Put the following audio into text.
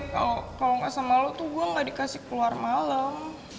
kalo ga sama lo tuh gue ga dikasih keluar malem